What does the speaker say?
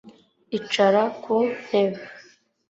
icara ku ntebe